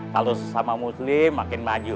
kalau sesama muslim makin maju